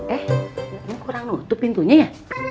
eh ini kurang nutuh pintunya ya